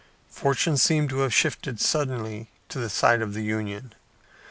Fortune seemed to have shifted suddenly to the side of the Union.